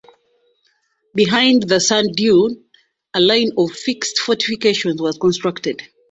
Behind the sand dune a line of fixed fortifications was constructed.